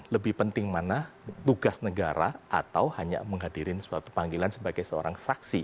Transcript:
lebih penting mana tugas negara atau hanya menghadirin suatu panggilan sebagai seorang saksi